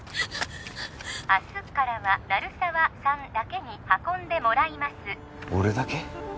明日からは鳴沢さんだけに運んでもらいます俺だけ？